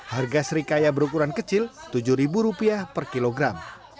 harga serikaya berukuran kecil rp tujuh per kilogram